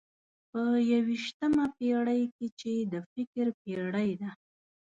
په یوویشتمه پېړۍ کې چې د فکر پېړۍ ده.